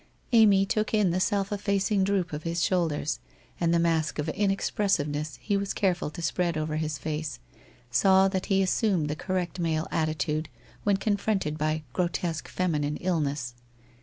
Amy took in the self effacing droop of his shoulders and the mask of inexpressiveness he was careful to spread over his face, saw that he assumed the correct male atti tude when confronted by grotesque feminine illness.